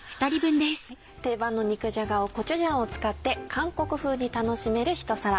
定番の肉じゃがをコチュジャンを使って韓国風に楽しめる一皿。